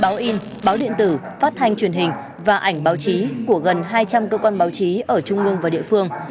báo in báo điện tử phát thanh truyền hình và ảnh báo chí của gần hai trăm linh cơ quan báo chí ở trung ương và địa phương